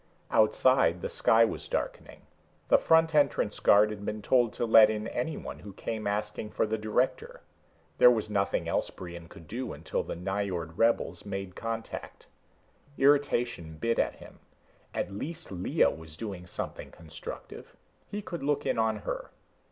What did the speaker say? Outside the sky was darkening. The front entrance guard had been told to let in anyone who came asking for the director. There was nothing else Brion could do until the Nyjord rebels made contact. Irritation bit at him. At least Lea was doing something constructive; he could look in on her.